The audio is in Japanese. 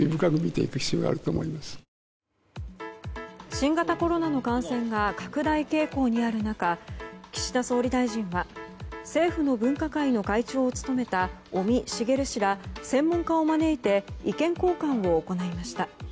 新型コロナの感染が拡大傾向にある中岸田総理大臣は、政府の分科会の会長を務めた尾身茂氏ら専門家を招いて意見交換を行いました。